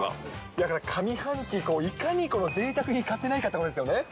だから上半期、いかに、ぜいたく品を買ってないかということですよね。